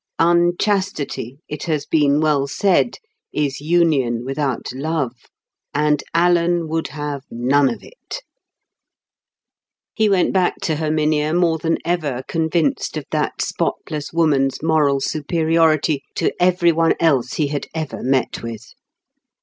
Unchastity, it has been well said, is union without love; and Alan would have none of it. He went back to Herminia more than ever convinced of that spotless woman's moral superiority to every one else he had ever met with.